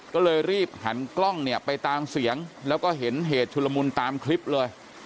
ก็เลยรีบหันกล้องเนี่ยไปตามเสียงแล้วก็เห็นเหตุชุลมุนตามคลิปเลย